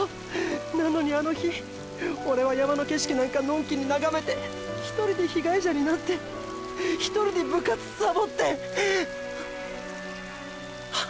なのにあの日オレは山の景色なんかのんきに眺めて１人で被害者になって１人で部活サボって！っ！